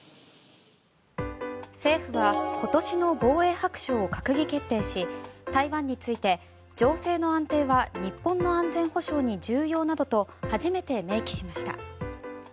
政府は今年の防衛白書を閣議決定し台湾について情勢の安定は日本の安全保障に重要などと初めて明記しました。